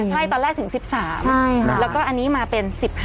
ใช่ตอนแรกถึง๑๓แล้วก็อันนี้มาเป็น๑๕